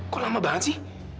kok lama banget sih